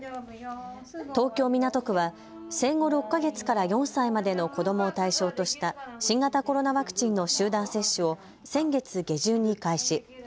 東京・港区は生後６か月から４歳までの子どもを対象とした新型コロナワクチンの集団接種を先月下旬に開始。